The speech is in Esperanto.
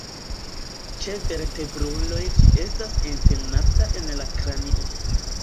Ĉe vertebruloj ĝi estas entenata en la kranio.